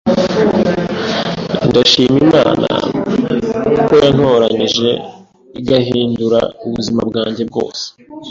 Ndashima Imana ko yantoranyije, igahindura ubuzima bwanjye bwose.